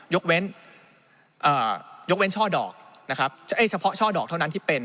ยกเว้นยกเว้นช่อดอกนะครับเฉพาะช่อดอกเท่านั้นที่เป็น